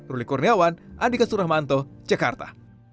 ruli kurniawan andika suramanto jakarta